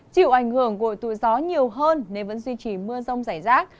chịu ảnh hưởng của hội tụ gió nhiều hơn nên vẫn duy trì mưa rông giải rác